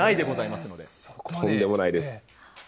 とんでもないです。